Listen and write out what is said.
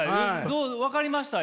どう分かりました？